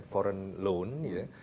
foreign loan ya